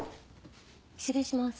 失礼します。